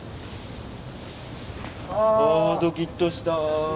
あドキッとした。